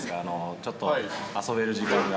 ちょっと遊べる時間が。